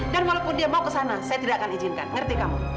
dan walaupun dia mau ke sana saya tidak akan izinkan ngerti kamu